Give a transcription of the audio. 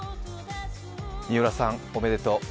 水卜さん、おめでとう。